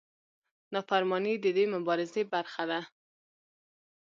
نافرماني د دې مبارزې برخه ده.